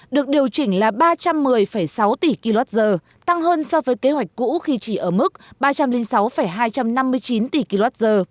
được điều chỉnh là ba trăm một mươi sáu tỷ kwh tăng hơn so với kế hoạch cũ khi chỉ ở mức ba trăm linh sáu hai trăm năm mươi chín tỷ kwh